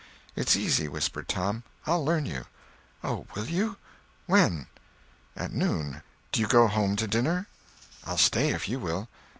"It's easy," whispered Tom, "I'll learn you." "Oh, will you? When?" "At noon. Do you go home to dinner?" "I'll stay if you will."